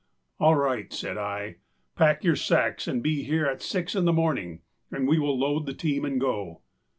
â âAll right,â said I, âpack your sacks and be here at six in the morning, and we will load the team and go.